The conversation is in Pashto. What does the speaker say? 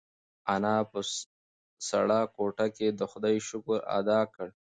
انا په سړه کوټه کې د خدای شکر ادا کړ.